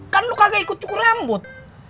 kan lo kagak ikut cukur rambut